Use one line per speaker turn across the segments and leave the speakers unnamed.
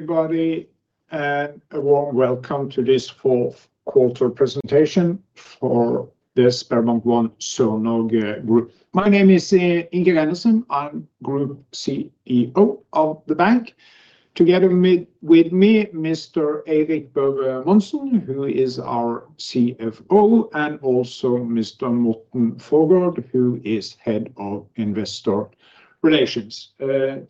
Everybody, a warm welcome to this fourth quarter presentation for the SpareBank 1 Sør-Norge. My name is Inge Reinertsen, I'm Group CEO of the bank. Together with me, Mr. Eirik Børve Monsen, who is our CFO, and also Mr. Morten Faugstad, who is Head of Investor Relations.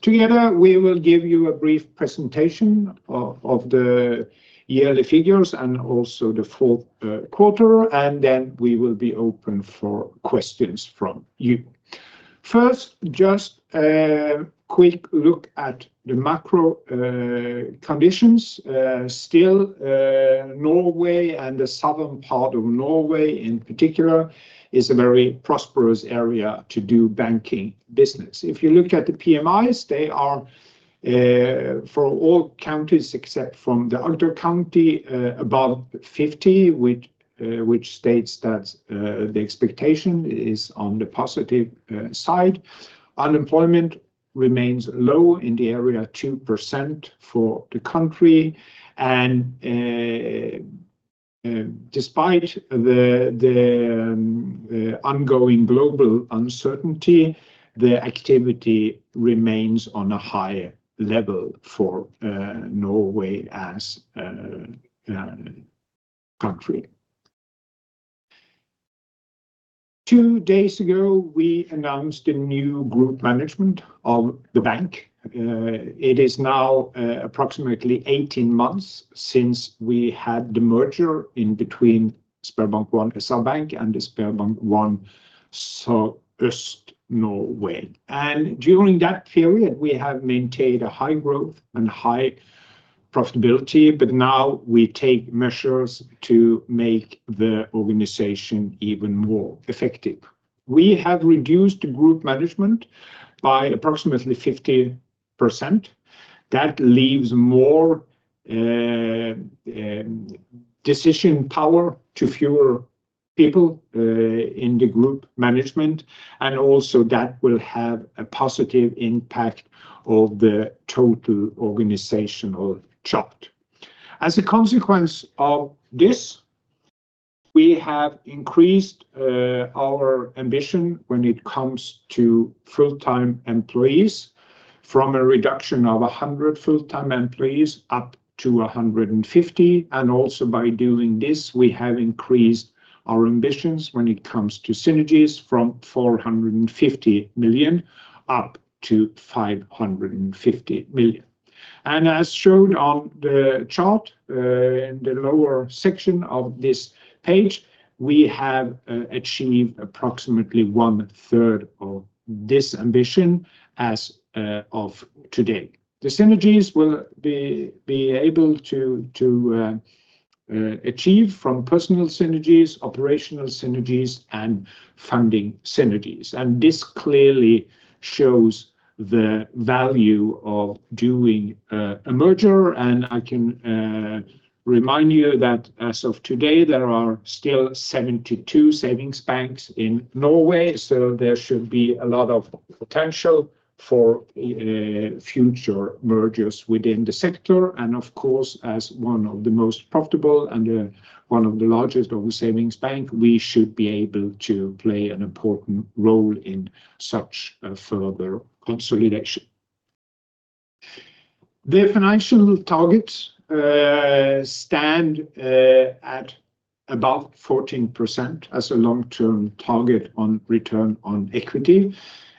Together, we will give you a brief presentation of the yearly figures and also the fourth quarter, and then we will be open for questions from you. First, just a quick look at the macro conditions. Still, Norway and the southern part of Norway in particular is a very prosperous area to do banking business. If you look at the PMIs, they are for all counties except from the Agder county, above 50, which states that the expectation is on the positive side. Unemployment remains low in the area, 2% for the country, and despite the ongoing global uncertainty, the activity remains on a high level for Norway as a country. Two days ago, we announced a new group management of the bank. It is now approximately 18 months since we had the merger in between SpareBank 1 SR-Bank and the SpareBank 1 Sørøst-Norge. And during that period, we have maintained a high growth and high profitability, but now we take measures to make the organization even more effective. We have reduced the group management by approximately 50%. That leaves more decision power to fewer people in the group management, and also that will have a positive impact of the total organizational chart. As a consequence of this, we have increased our ambition when it comes to full-time employees from a reduction of 100 full-time employees up to 150. Also by doing this, we have increased our ambitions when it comes to synergies from 450 million up to 550 million. And as shown on the chart in the lower section of this page, we have achieved approximately one third of this ambition as of today. The synergies will be able to achieve from personal synergies, operational synergies, and funding synergies. And this clearly shows the value of doing a merger. And I can remind you that as of today, there are still 72 savings banks in Norway, so there should be a lot of potential for future mergers within the sector. Of course, as one of the most profitable and one of the largest of the savings bank, we should be able to play an important role in such a further consolidation. The financial targets stand at about 14% as a long-term target on return on equity.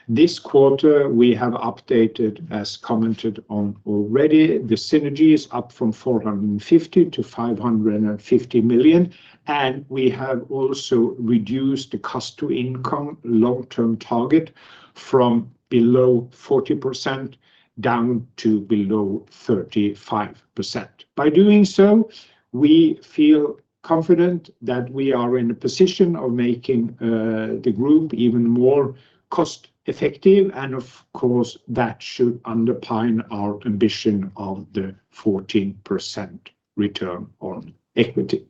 This quarter, we have updated, as commented on already, the synergies up from 450 million to 550 million, and we have also reduced the cost-to-income long-term target from below 40% down to below 35%. By doing so, we feel confident that we are in a position of making the group even more cost-effective, and of course, that should underpin our ambition of the 14% return on equity.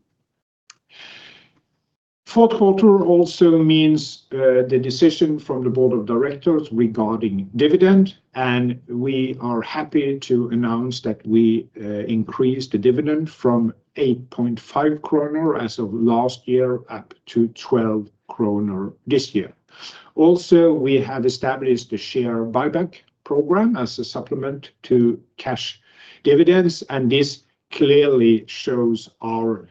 Fourth quarter also means the decision from the board of directors regarding dividend, and we are happy to announce that we increased the dividend from 8.5 kroner as of last year, up to 12 kroner this year. Also, we have established a share buyback program as a supplement to cash dividends, and this clearly shows our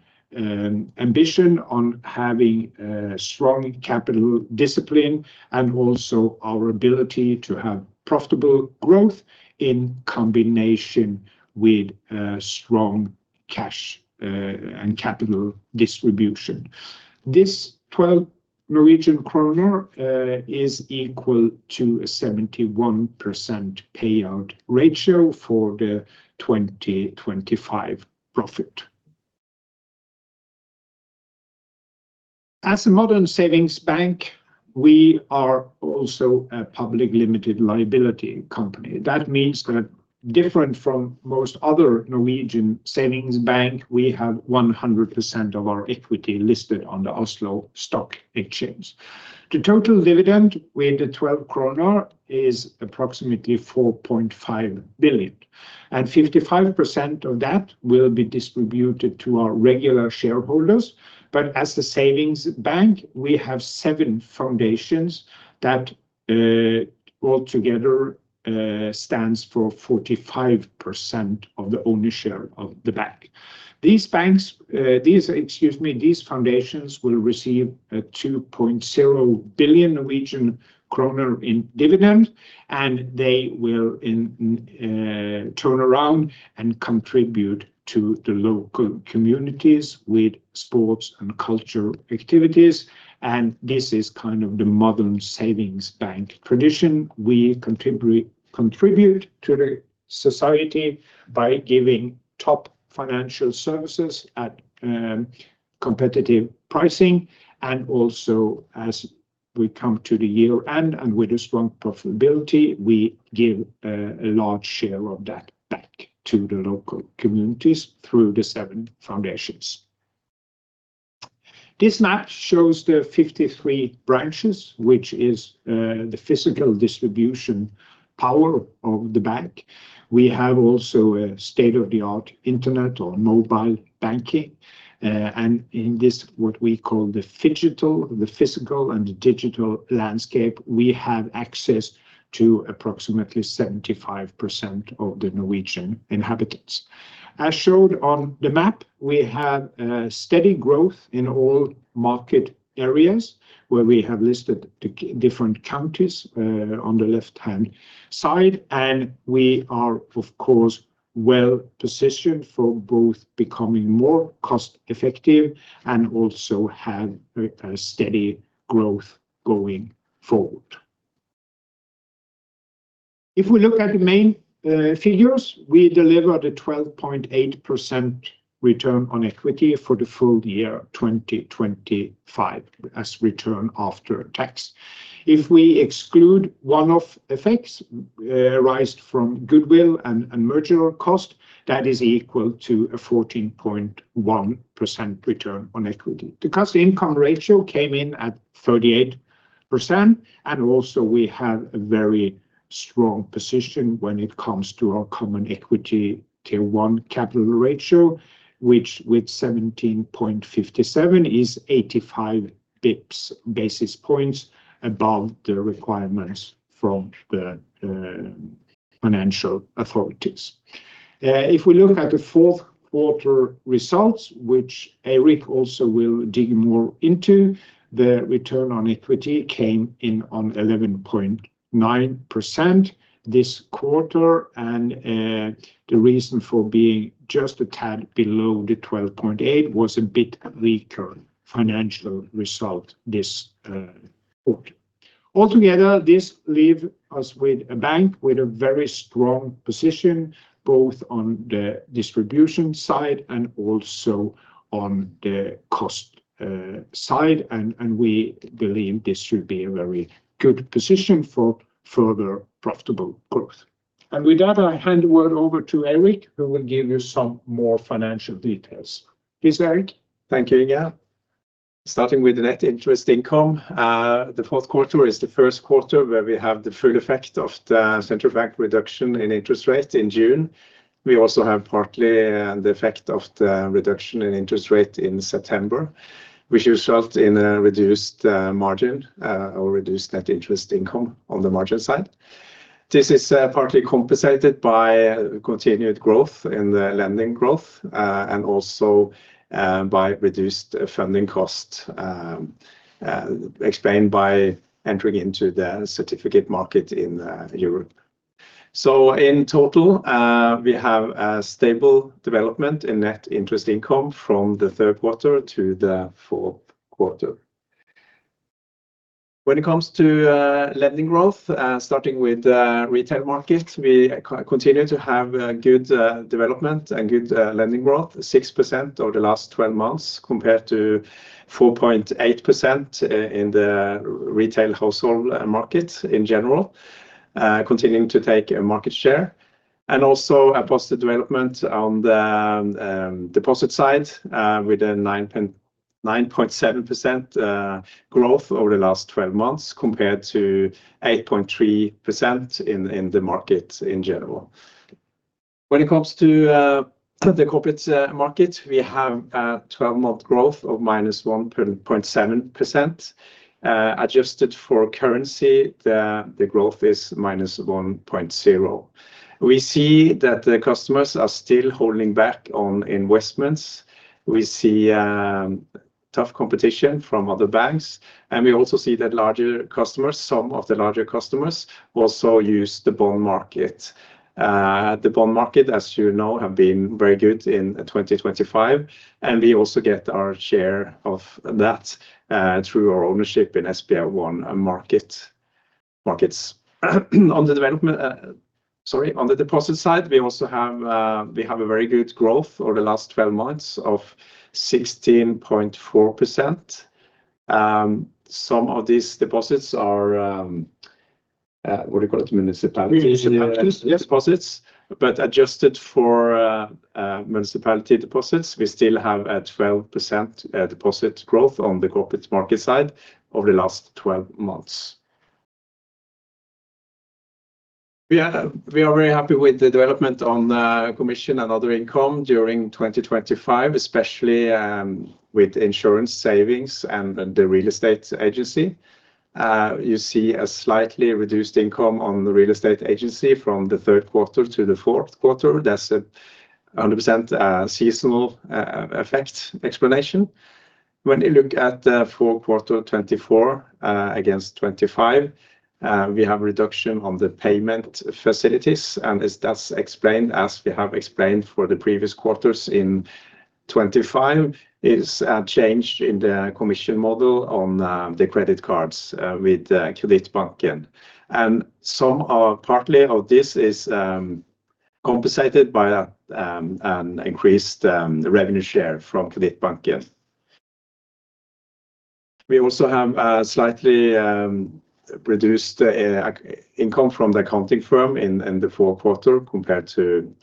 ambition on having strong capital discipline, and also our ability to have profitable growth in combination with strong cash and capital distribution. This 12 Norwegian kroner is equal to a 71% payout ratio for the 2025 profit. As a modern savings bank, we are also a public limited liability company. That means that different from most other Norwegian savings bank, we have 100% of our equity listed on the Oslo Stock Exchange. The total dividend with the 12 kroner is approximately 4.5 billion, and 55% of that will be distributed to our regular shareholders. But as the savings bank, we have seven foundations that altogether stands for 45% of the only share of the bank. These banks, these, excuse me, these foundations will receive 2.0 billion Norwegian kroner in dividend, and they will in turn around and contribute to the local communities with sports and cultural activities. And this is kind of the modern savings bank tradition. We contribute, contribute to the society by giving top financial services at competitive pricing. And also as we come to the year-end and with a strong profitability, we give a large share of that back to the local communities through the seven foundations. This map shows the 53 branches, which is the physical distribution power of the bank. We have also a state-of-the-art internet or mobile banking, and in this, what we call the phygital, the physical and digital landscape, we have access to approximately 75% of the Norwegian inhabitants. As shown on the map, we have steady growth in all market areas, where we have listed the different counties on the left-hand side, and we are, of course, well-positioned for both becoming more cost-effective and also have a steady growth going forward. If we look at the main figures, we delivered a 12.8% return on equity for the full-year 2025, as return after tax. If we exclude one-off effects raised from goodwill and merger cost, that is equal to a 14.1% return on equity. The cost income ratio came in at 38%, and also we have a very strong position when it comes to our Common Equity Tier 1 capital ratio, which with 17.57%, is 85 basis points above the requirements from the financial authorities. If we look at the fourth quarter results, which Eirik also will dig more into, the return on equity came in on 11.9% this quarter, and the reason for being just a tad below the 12.8% was a bit weaker financial result this quarter. Altogether, this leave us with a bank with a very strong position, both on the distribution side and also on the cost side, and we believe this should be a very good position for further profitable growth. With that, I hand the word over to Eirik, who will give you some more financial details. Please, Eirik.
Thank you, Inge. Starting with the net interest income, the fourth quarter is the first quarter where we have the full effect of the central bank reduction in interest rates in June. We also have partly the effect of the reduction in interest rate in September, which result in a reduced margin or reduced net interest income on the margin side. This is partly compensated by continued growth in the lending growth and also by reduced funding costs, explained by entering into the certificate market in Europe. So in total, we have a stable development in net interest income from the third quarter to the fourth quarter. When it comes to lending growth, starting with the retail market, we continue to have a good development and good lending growth, 6% over the last 12 months, compared to 4.8% in the retail household market in general, continuing to take a market share. And also a positive development on the deposit side, with a 9.7% growth over the last 12 months, compared to 8.3% in the market in general. When it comes to the corporate market, we have a 12-month growth of -1.7%. Adjusted for currency, the growth is -1.0%. We see that the customers are still holding back on investments. We see, tough competition from other banks, and we also see that larger customers, some of the larger customers, also use the bond market. The bond market, as you know, have been very good in 2025, and we also get our share of that, through our ownership in SB1 Markets. On the development, sorry, on the deposit side, we also have, we have a very good growth over the last 12 months of 16.4%. Some of these deposits are, what do you call it?
Municipalities, yes.
Municipality deposits. But adjusted for municipality deposits, we still have a 12% deposit growth on the corporate market side over the last 12 months. We are very happy with the development on the commission and other income during 2025, especially with insurance savings and the real estate agency. You see a slightly reduced income on the real estate agency from the third quarter to the fourth quarter. That's a 100% seasonal effect explanation. When you look at the fourth quarter 2024 against 2025, we have a reduction on the payment facilities, and as that's explained, as we have explained for the previous quarters in 2025, is a change in the commission model on the credit cards with Kredittbanken. Partly of this is compensated by an increased revenue share from Kredittbanken. We also have a slightly reduced income from the accounting firm in the fourth quarter compared to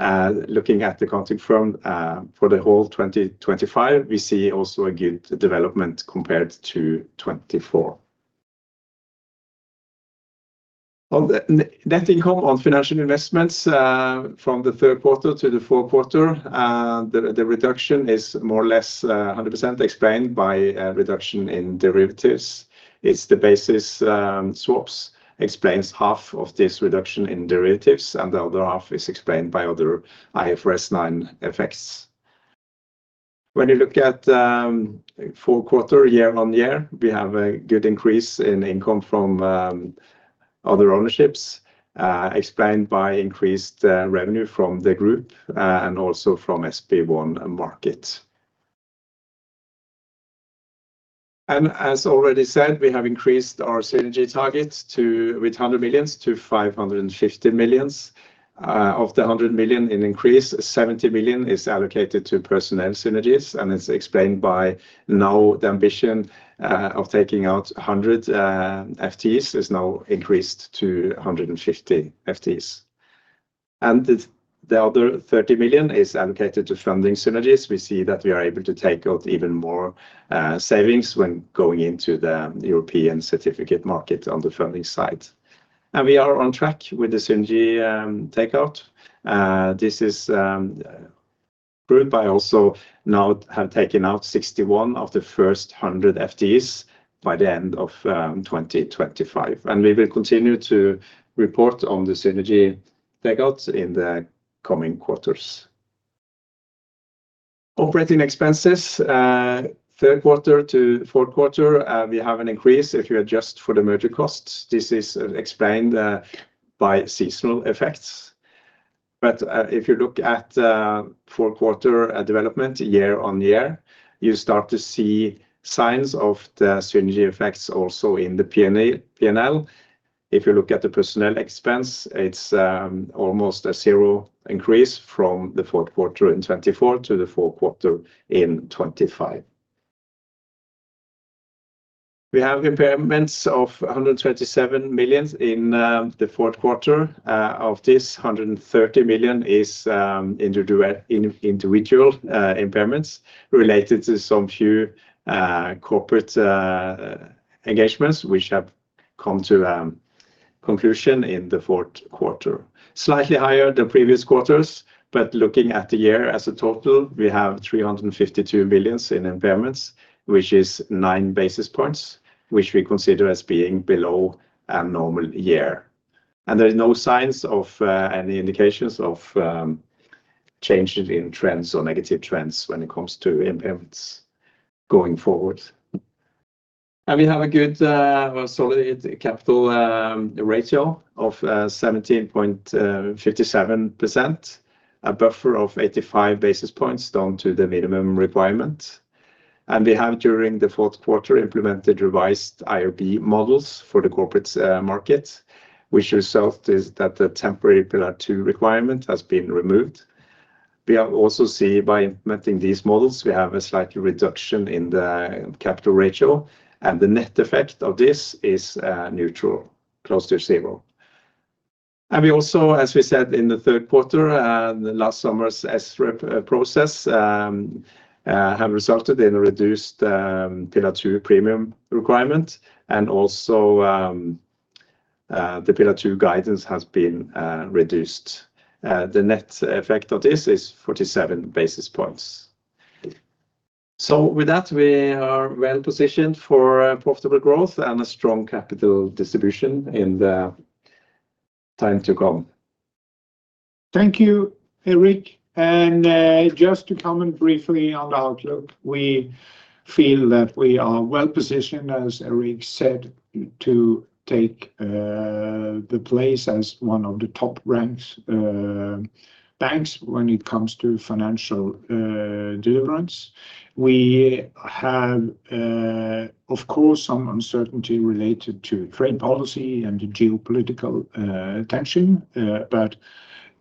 2024. Looking at the accounting firm, for the whole 2025, we see also a good development compared to 2024. On the net income on financial investments, from the third quarter to the fourth quarter, the reduction is more or less 100% explained by a reduction in derivatives. It's the basis swaps explains half of this reduction in derivatives, and the other half is explained by other IFRS 9 effects. When you look at fourth quarter, year-on-year, we have a good increase in income from other ownerships, explained by increased revenue from the group, and also from SB1 Markets. As already said, we have increased our synergy target to with 100 million to 550 million. Of the 100 million in increase, 70 million is allocated to personnel synergies, and it's explained by now the ambition of taking out 100 FTEs is now increased to 150 FTEs. The other 30 million is allocated to funding synergies. We see that we are able to take out even more savings when going into the European certificate market on the funding side. We are on track with the synergy takeout. This is proved by also now have taken out 61 of the first 100 FTEs by the end of 2025, and we will continue to report on the synergy takeouts in the coming quarters. Operating expenses, third quarter to fourth quarter, we have an increase if you adjust for the merger costs. This is explained by seasonal effects. But if you look at fourth quarter development, year-on-year, you start to see signs of the synergy effects also in the P&L. If you look at the personnel expense, it's almost a zero increase from the fourth quarter in 2024 to the fourth quarter in 2025. We have impairments of 137 million in the fourth quarter. Of this, 130 million is individual impairments related to some few corporate engagements, which have come to conclusion in the fourth quarter. Slightly higher than previous quarters, but looking at the year as a total, we have 352 million in impairments, which is 9 basis points, which we consider as being below a normal year. And there is no signs of any indications of changes in trends or negative trends when it comes to impairments going forward. And we have a good solid capital ratio of 17.57%, a buffer of 85 basis points down to the minimum requirement. And we have, during the fourth quarter, implemented revised IRB models for the corporates market, which result is that the temporary Pillar Two requirement has been removed. We are also see by implementing these models, we have a slight reduction in the capital ratio, and the net effect of this is neutral, close to zero. And we also, as we said in the third quarter, last summer's SREP process have resulted in a reduced Pillar Two premium requirement and also the Pillar Two guidance has been reduced. The net effect of this is 47 basis points. So with that, we are well positioned for profitable growth and a strong capital distribution in the time to come.
Thank you, Eirik. Just to comment briefly on the outlook, we feel that we are well positioned, as Eirik said, to take the place as one of the top ranked banks when it comes to financial deliverance. We have, of course, some uncertainty related to trade policy and geopolitical tension, but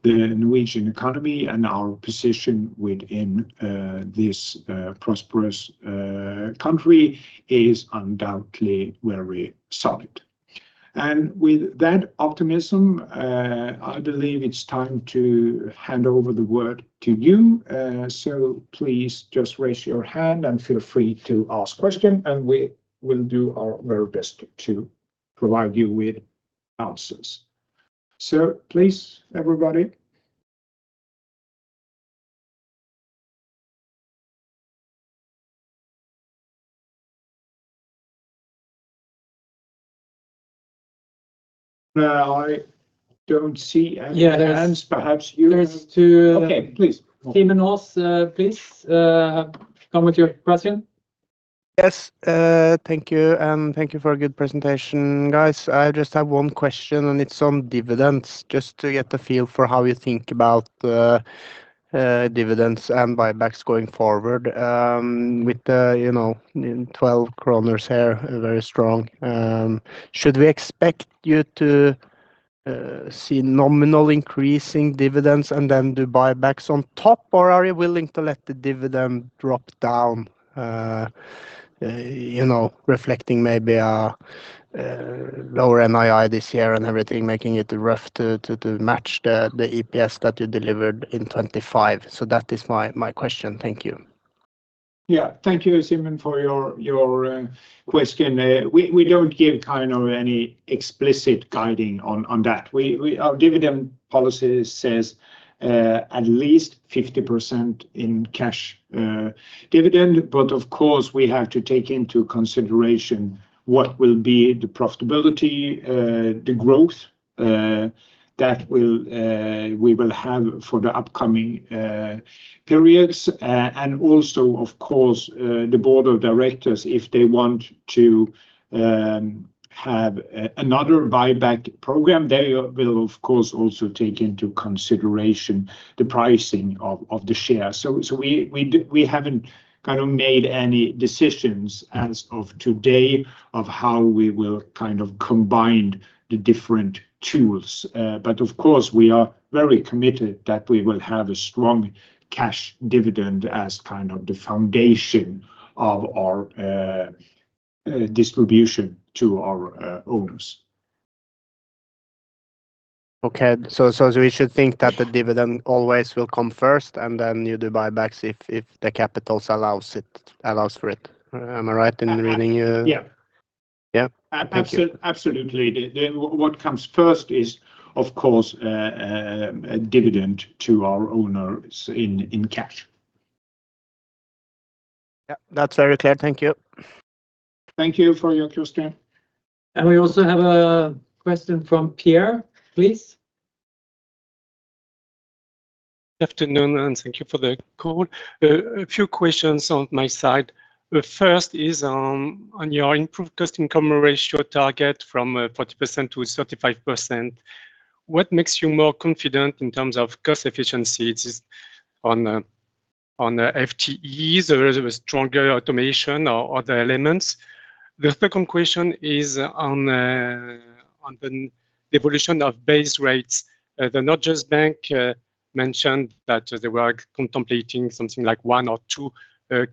the Norwegian economy and our position within this prosperous country is undoubtedly very solid. And with that optimism, I believe it's time to hand over the word to you. So please just raise your hand and feel free to ask question, and we will do our very best to provide you with answers. So please, everybody. I don't see any hands-
Yeah, there's two.
Okay, please.
Simen Aas, please, come with your question.
Yes, thank you, and thank you for a good presentation, guys. I just have one question, and it's on dividends, just to get a feel for how you think about dividends and buybacks going forward. With the, you know, 12 kroner here, very strong, should we expect you to see nominal increasing dividends and then do buybacks on top, or are you willing to let the dividend drop down, you know, reflecting maybe a lower NII this year and everything, making it rough to match the EPS that you delivered in 2025? So that is my question. Thank you.
Yeah. Thank you, Simen, for your question. We don't give kind of any explicit guiding on that. Our dividend policy says at least 50% in cash dividend, but of course, we have to take into consideration what will be the profitability, the growth that we will have for the upcoming periods. And also, of course, the board of directors, if they want to have another buyback program, they will of course also take into consideration the pricing of the share. So we haven't kind of made any decisions as of today of how we will kind of combine the different tools. But of course, we are very committed that we will have a strong cash dividend as kind of the foundation of our distribution to our owners.
Okay. So we should think that the dividend always will come first, and then you do buybacks if the capital allows for it. Am I right in reading you?
Yeah.
Yeah. Thank you.
Absolutely. What comes first is, of course, a dividend to our owners in cash.
Yeah, that's very clear. Thank you.
Thank you for your question.
We also have a question from Pierre, please.
Afternoon, and thank you for the call. A few questions on my side. The first is, on your improved cost-income ratio target from 40% to 35%, what makes you more confident in terms of cost efficiency? It is on the, on the FTEs or a stronger automation or other elements. The second question is on, on the evolution of base rates. The Norges Bank mentioned that they were contemplating something like one or two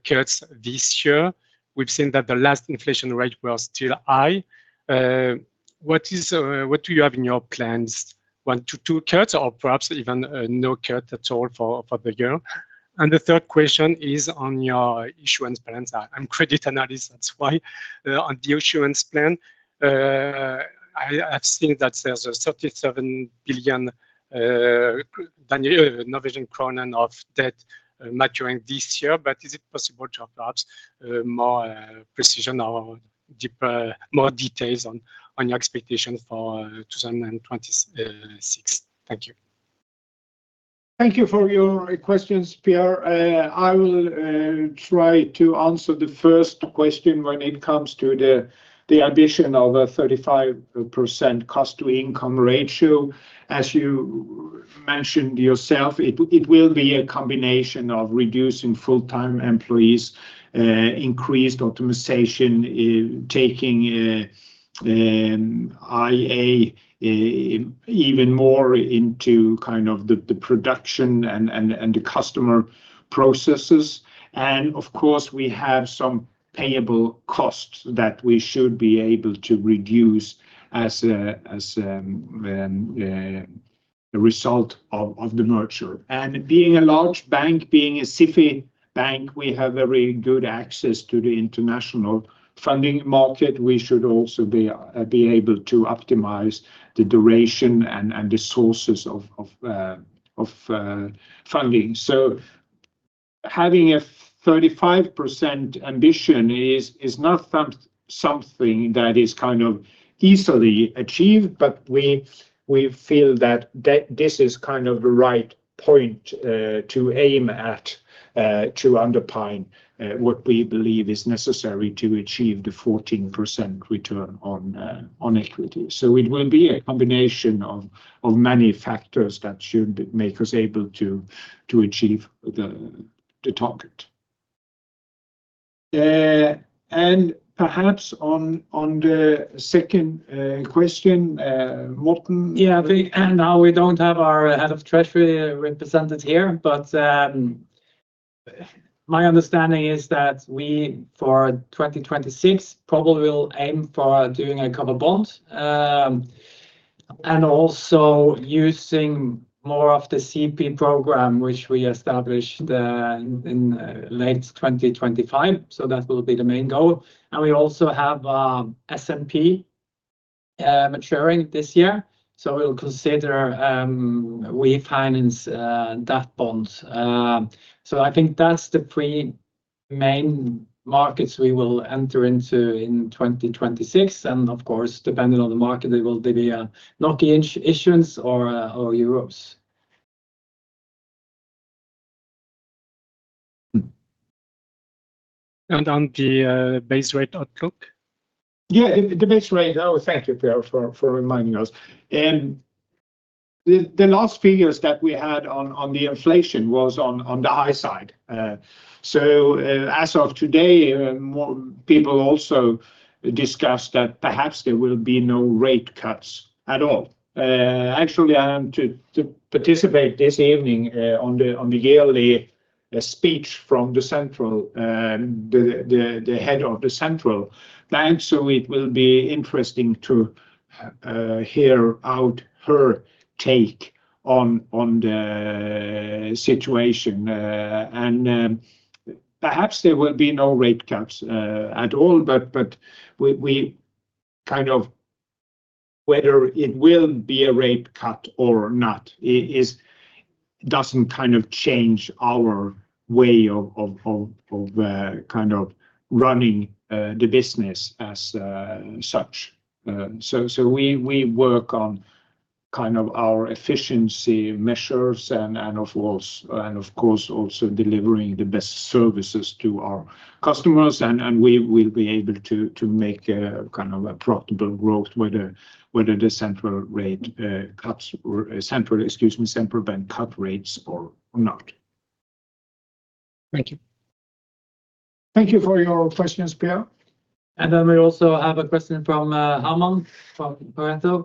cuts this year. We've seen that the last inflation rate was still high. What is, what do you have in your plans? one to two cuts or perhaps even no cut at all for the year? And the third question is on your issuance plans. I'm credit analyst, that's why on the issuance plan, I've seen that there's 37 billion of debt maturing this year, but is it possible to have perhaps more precision or deeper, more details on your expectation for 2026? Thank you.
Thank you for your questions, Pierre. I will try to answer the first question when it comes to the addition of a 35% cost-to-income ratio. As you mentioned yourself, it will be a combination of reducing full-time employees, increased optimization, taking AI even more into kind of the production and the customer processes. And of course, we have some payable costs that we should be able to reduce as a result of the merger. And being a large bank, being a SIFI bank, we have very good access to the international funding market. We should also be able to optimize the duration and the sources of funding. So having a 35% ambition is not something that is kind of easily achieved, but we feel that this is kind of the right point to aim at to underpin what we believe is necessary to achieve the 14% return on equity. So it will be a combination of many factors that should make us able to achieve the target. And perhaps on the second question, Morten?
Yeah, I think, now we don't have our Head of Treasury represented here, but, my understanding is that we, for 2026, probably will aim for doing a covered bond, and also using more of the CP program, which we established, in, late 2025. So that will be the main goal. And we also have, SNP, maturing this year, so we'll consider, refinancing that bond. So I think that's the three main markets we will enter into in 2026, and of course, depending on the market, they will be a NOK issuance or euros.
On the base rate outlook?
Yeah, the base rate. Oh, thank you, Pierre, for reminding us. And the last figures that we had on the inflation was on the high side. So, as of today, more people also discuss that perhaps there will be no rate cuts at all. Actually, I am to participate this evening on the yearly speech from the central, the head of the central bank. So it will be interesting to hear out her take on the situation. And, perhaps there will be no rate cuts at all, but we kind of whether it will be a rate cut or not, doesn't kind of change our way of kind of running the business as such. So we work on kind of our efficiency measures and, of course, also delivering the best services to our customers, and we will be able to make a kind of profitable growth, whether the central bank cut rates or not.
Thank you.
Thank you for your questions, Pierre. And then we also have a question from Herman from Pareto.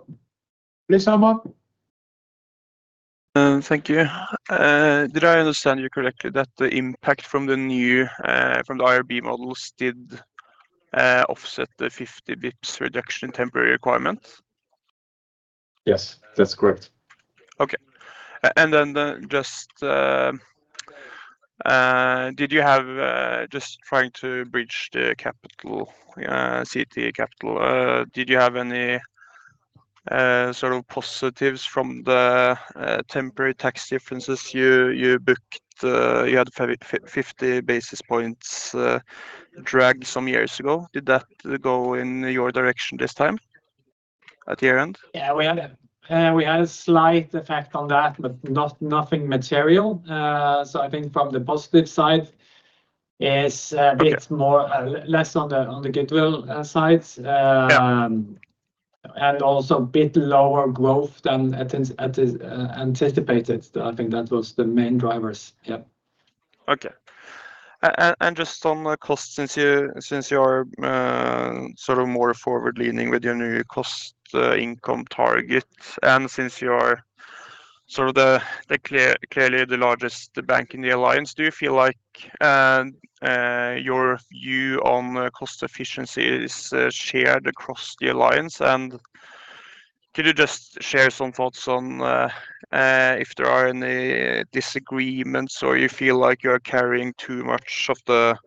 Please, Herman.
Thank you. Did I understand you correctly, that the impact from the IRB models did offset the 50 bps reduction in temporary requirements?
Yes, that's correct.
Okay. And then just, did you have, just trying to bridge the capital, CET1 capital, did you have any, sort of positives from the, temporary tax differences you booked, you had 50 basis points, dragged some years ago. Did that go in your direction this time at the end?
Yeah, we had a slight effect on that, but nothing material. So I think from the positive side is bit more, less on the, on the goodwill, side.
Yeah
And also a bit lower growth than anticipated. I think that was the main drivers. Yeah.
Okay. And just on the cost, since you are sort of more forward-leaning with your new cost income target, and since you are sort of the clearly the largest bank in the alliance, do you feel like your view on cost efficiency is shared across the alliance? And could you just share some thoughts on if there are any disagreements or you feel like you are carrying too much of the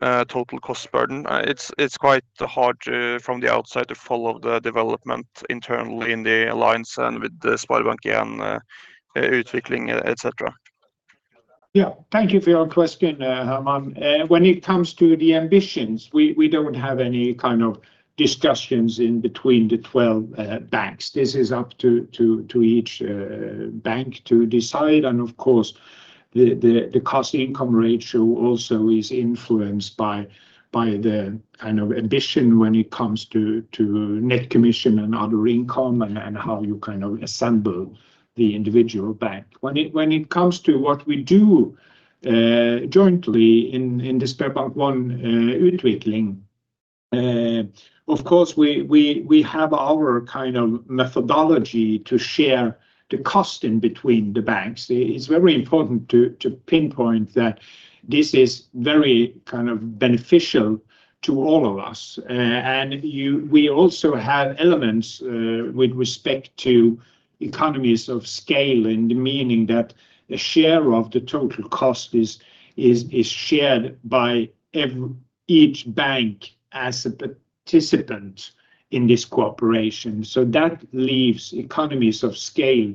total cost burden? It's quite hard to, from the outside, to follow the development internally in the alliance and with the SpareBank 1 Utvikling, etc.
Yeah. Thank you for your question, Herman. When it comes to the ambitions, we don't have any kind of discussions in between the 12 banks. This is up to each bank to decide. And of course, the cost income ratio also is influenced by the kind of ambition when it comes to net commission and other income, and how you kind of assemble the individual bank. When it comes to what we do jointly in the SpareBank 1 Utvikling, of course, we have our kind of methodology to share the cost in between the banks. It's very important to pinpoint that this is very kind of beneficial to all of us. We also have elements with respect to economies of scale, and meaning that a share of the total cost is shared by each bank as a participant in this cooperation. So that leaves economies of scale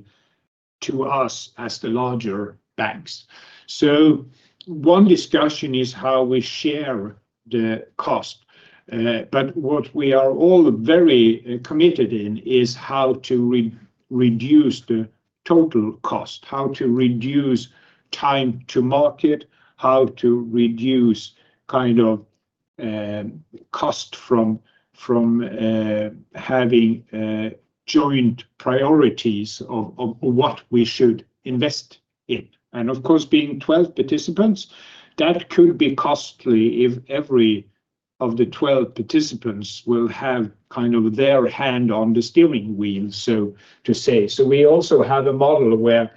to us as the larger banks. So one discussion is how we share the cost, but what we are all very committed in is how to reduce the total cost, how to reduce time to market, how to reduce cost from having joint priorities of what we should invest in. And of course, being 12 participants, that could be costly if every of the 12 participants will have kind of their hand on the steering wheel, so to say. So we also have a model where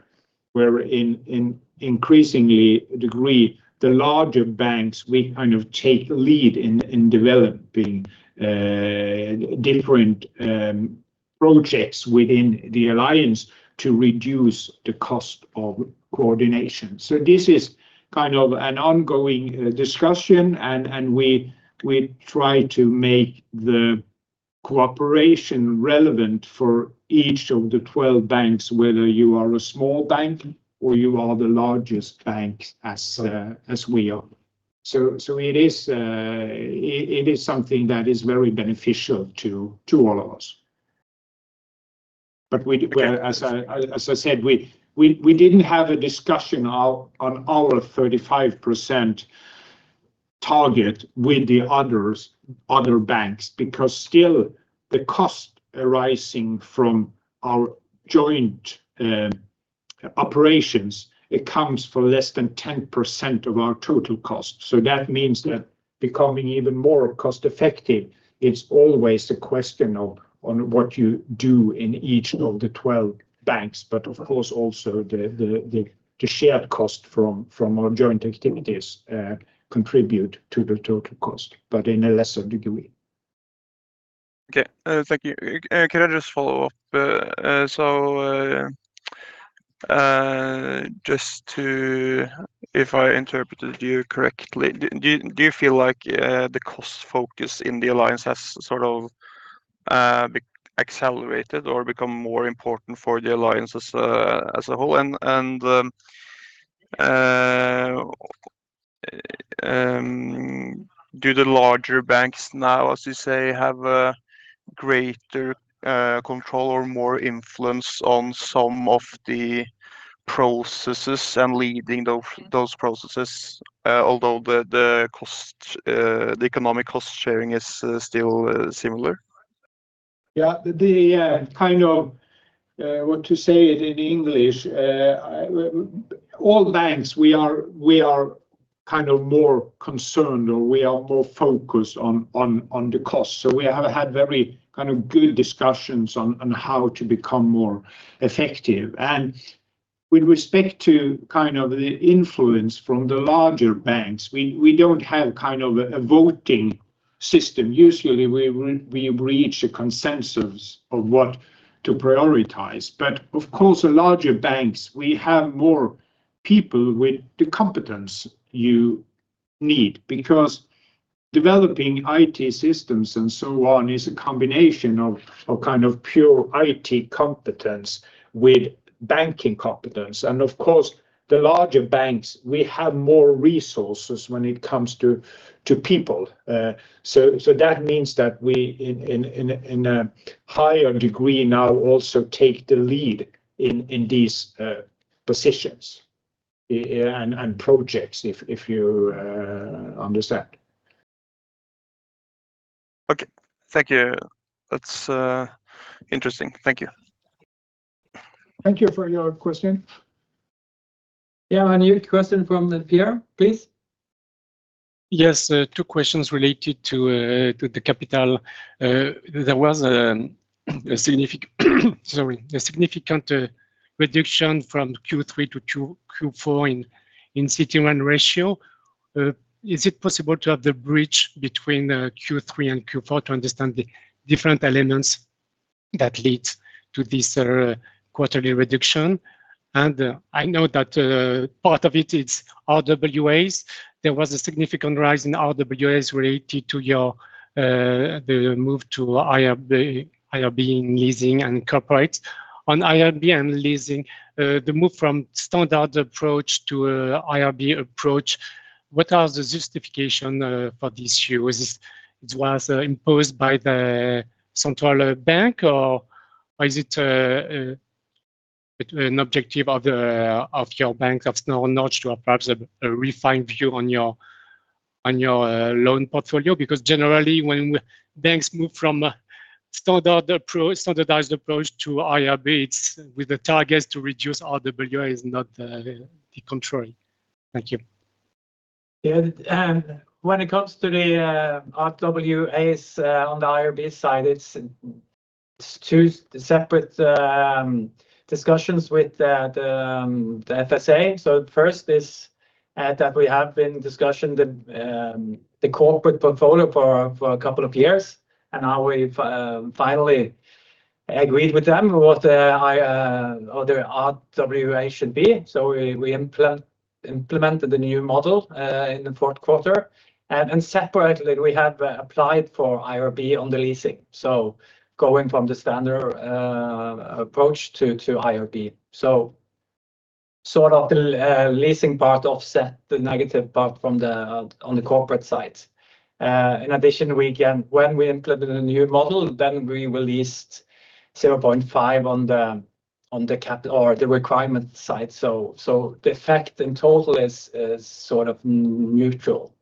in increasingly degree, the larger banks, we kind of take lead in developing different projects within the alliance to reduce the cost of coordination. So this is kind of an ongoing discussion, and we try to make the cooperation relevant for each of the 12 banks, whether you are a small bank or you are the largest bank as we are. So it is something that is very beneficial to all of us. But we, well, as I said, we didn't have a discussion on our 35% target with the other banks, because still the cost arising from our joint operations, it comes for less than 10% of our total cost. That means that becoming even more cost-effective, it's always a question of on what you do in each of the 12 banks, but of course, also the shared cost from our joint activities contribute to the total cost, but in a lesser degree.
Okay. Thank you. Can I just follow up? So, just to-- If I interpreted you correctly, do you feel like the cost focus in the alliance has sort of be accelerated or become more important for the alliance as a whole? And, do the larger banks now, as you say, have a greater control or more influence on some of the processes and leading those processes, although the cost, the economic cost sharing is still similar?
Yeah, kind of, what to say it in English, all banks, we are kind of more concerned or we are more focused on the cost. So we have had very kind of good discussions on how to become more effective. And with respect to kind of the influence from the larger banks, we don't have kind of a voting system. Usually, we reach a consensus of what to prioritize. But of course, the larger banks have more people with the competence you need, because developing IT systems and so on is a combination of kind of pure IT competence with banking competence. And of course, the larger banks have more resources when it comes to people. So that means that we in a higher degree now also take the lead in these positions and projects, if you understand.
Okay. Thank you. That's interesting. Thank you.
Thank you for your question.
Yeah, a new question from Pierre, please.
Yes, two questions related to the capital. There was a significant reduction from Q3 to Q4 in CET1 ratio. Is it possible to have the bridge between Q3 and Q4 to understand the different elements that lead to this quarterly reduction? And I know that part of it is RWAs. There was a significant rise in RWAs related to your the move to IRB in leasing and corporate. On IRB and leasing, the move from standard approach to IRB approach, what are the justification for this issue? Is it imposed by the Central Bank, or is it an objective of your SpareBank 1 Sør-Norge to have perhaps a refined view on your loan portfolio? Because generally, when banks move from standard approach, standardized approach to IRBs with the targets to reduce RWAs, not the control. Thank you.
Yeah, and when it comes to the RWAs on the IRB side, it's two separate discussions with the FSA. So first is that we have been discussing the corporate portfolio for a couple of years, and now we've finally agreed with them what the or the RWA should be. So we implemented the new model in the fourth quarter. And separately, we have applied for IRB on the leasing. So going from the standard approach to IRB. So sort of the leasing part offset the negative part from the corporate side. In addition, when we implemented a new model, then we released 0.5 bps on the cap or the requirement side. So the effect in total is sort of neutral.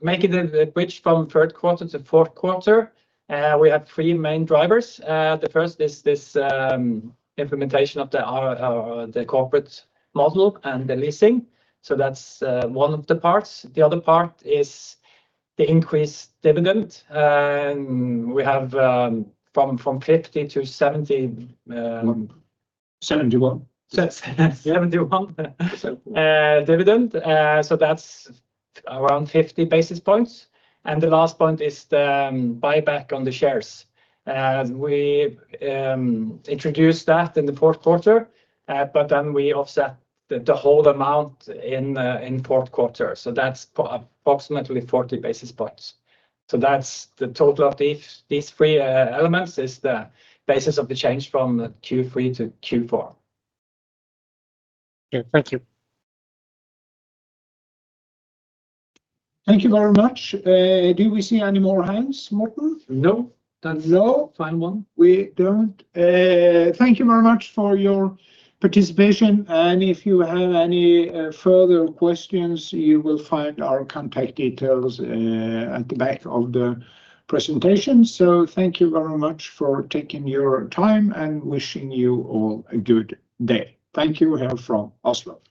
Making the bridge from third quarter to fourth quarter, we have three main drivers. The first is this implementation of the corporate model and the leasing. So that's one of the parts. The other part is the increased dividend, and we have from 50%-70%.
71%.
71% dividend. So that's around 50 basis points. And the last point is the buyback on the shares. We introduced that in the fourth quarter, but then we offset the whole amount in the fourth quarter, so that's approximately 40 basis points. So that's the total of these three elements, is the basis of the change from Q3 to Q4.
Okay. Thank you.
Thank you very much. Do we see any more hands, Morten?
No.
No.
Final one.
We don't. Thank you very much for your participation, and if you have any further questions, you will find our contact details at the back of the presentation. So thank you very much for taking your time, and wishing you all a good day. Thank you here from Oslo.